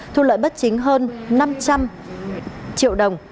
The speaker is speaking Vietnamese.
thu lợi bất chính hơn năm trăm linh triệu đồng